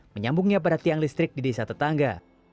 menyambungnya pada tiang listrik di desa tetangga